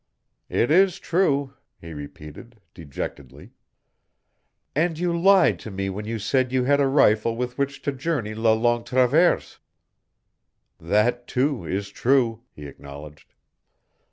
"It is true," he repeated, dejectedly. "And you lied to me when you said you had a rifle with which to journey la Longue Traverse." "That too is true," he acknowledged.